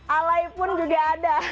alay pun juga ada